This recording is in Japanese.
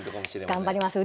頑張ります。